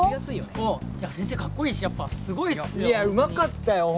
先生かっこいいしやっぱすごいっすよ。いやうまかったよ。